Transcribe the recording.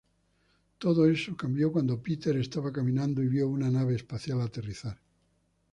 Todo eso cambió cuando Peter estaba caminando y vio una nave espacial aterrizar.